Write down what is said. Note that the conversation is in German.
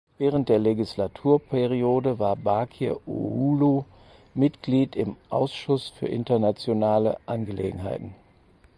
Während der Legislaturperiode war Bakir Uulu Mitglied im Ausschuss für internationale Angelegenheiten.